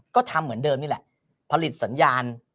ก็ทำเหมือนเดิมนี่แหละผลิตสัญญาณ